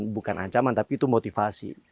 bukan ancaman tapi itu motivasi